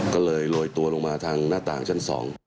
ก็เลยโรยตัวลงมาทางหน้าต่างชั้น๒